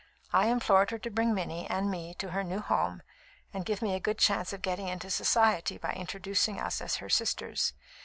I implored her to bring Minnie and me to her new home, and give me a good chance of getting into society by introducing us as her sisters.